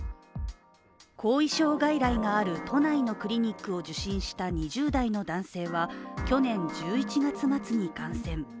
後遺症外来がある都内のクリニックを受診した２０代の男性は、去年１１月末に感染。